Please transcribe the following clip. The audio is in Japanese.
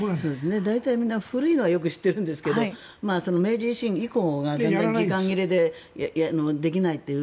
大体みんな古いのはよく知っているんですが明治維新以降が時間切れでできないっていう。